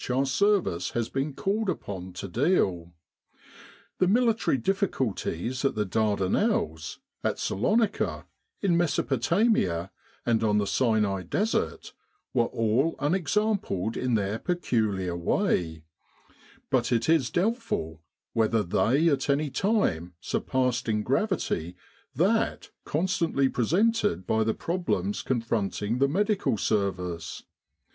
our Service has been called upon to deal. The military difficulties at the Dardanelles, at Salonika, in Mesopotamia, and on the Sinai Desert were all unexampled in their peculiar way; but it is doubtful whether they at any time surpassed in gravity that constantly presented by the problems confronting the Medical Service.